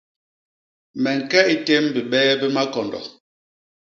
Me ñke i tém bibee bi makondo.